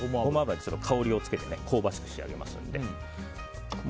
香りをつけて香ばしく仕上げますので。